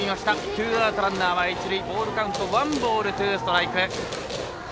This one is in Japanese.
ツーアウトランナーは一塁ボールカウントワンボール、ツーストライク。